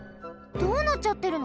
どうなっちゃってるの？